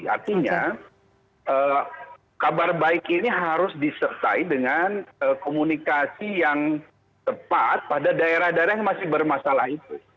artinya kabar baik ini harus disertai dengan komunikasi yang tepat pada daerah daerah yang masih bermasalah itu